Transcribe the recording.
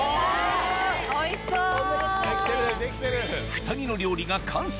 ２人の料理が完成！